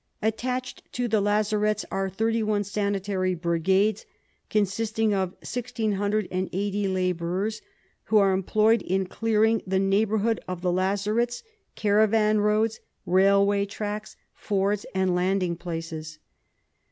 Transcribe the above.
Attached to the lazarets are 31 sanitary brigades, consisting of 1,680 labourers, who are employed in clearing the neighbourhood of the lazarets, caravan roads, railway tracks, fords and landing places.